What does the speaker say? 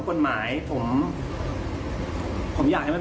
ฟร้อมไหมคะลูก